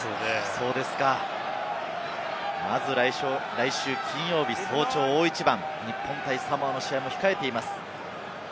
まず来週金曜日早朝、大一番、日本対サモアの試合も控えています。